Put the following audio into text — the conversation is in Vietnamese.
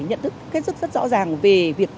nhận thức rất rõ ràng về việc